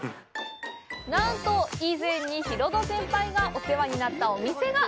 なんと、以前にヒロド先輩がお世話になったお店が。